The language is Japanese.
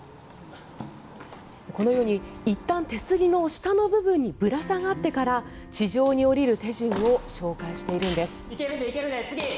このようにいったん手すりの下の部分にぶら下がってから地上に降りる手順を紹介しているんです。